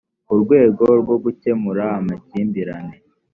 urwego rwo gukemura amakimbirane